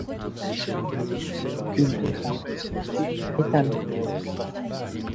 Il devient par la suite étalon.